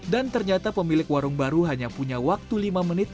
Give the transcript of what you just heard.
dan ternyata pemilik warung baru hanya punya waktu lima menit